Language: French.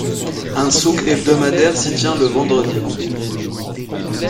Un souk hebdomadaire s'y tient le vendredi.